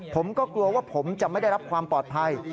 ผมก็กลัวว่าผมจะไม่ได้รับความปลอดภัย